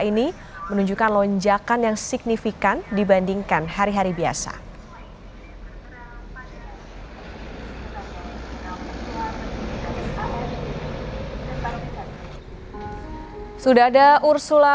ini menunjukkan lonjakan yang signifikan dibandingkan hari hari biasa sudah ada ursula